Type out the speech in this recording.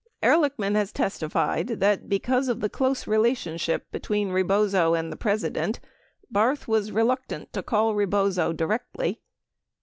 Ehrlichman has testified that because of the close re lationship between Rebozo and the President, Barth was reluctant to call Rebozo directly.